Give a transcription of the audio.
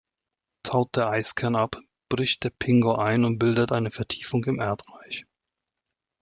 Taut der Eiskern ab, bricht der Pingo ein und bildet eine Vertiefung im Erdreich.